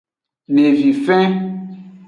Devifen.